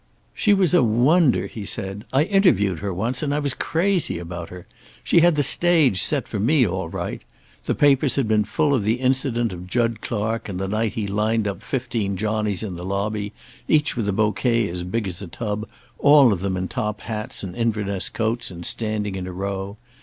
"She was a wonder," he said. "I interviewed her once, and I was crazy about her. She had the stage set for me, all right. The papers had been full of the incident of Jud Clark and the night he lined up fifteen Johnnies in the lobby, each with a bouquet as big as a tub, all of them in top hats and Inverness coats, and standing in a row.